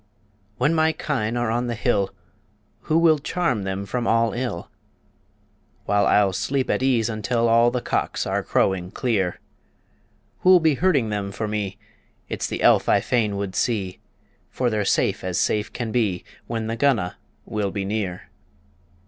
When my kine are on the hill, Who will charm them from all ill? While I'll sleep at ease until All the cocks are crowing clear. Who'll be herding them for me? It's the elf I fain would see For they're safe as safe can be When the Gunna will be near.